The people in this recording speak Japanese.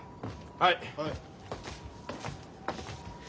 ・はい。